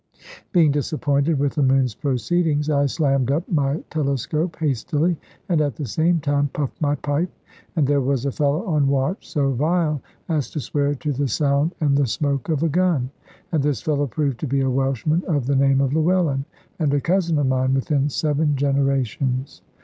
Being disappointed with the moon's proceedings, I slammed up my telescope hastily, and at the same time puffed my pipe; and there was a fellow on watch so vile as to swear to the sound and the smoke of a gun! And this fellow proved to be a Welshman of the name of Llewellyn, and a cousin of mine within seven generations!